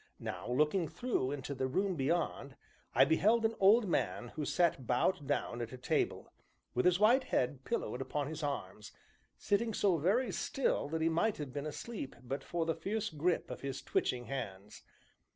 Now, looking through into the room beyond, I beheld an old man who sat bowed down at a table, with his white head pillowed upon his arms, sitting so very still that he might have been asleep but for the fierce grip of his twitching hands.